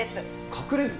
隠れる？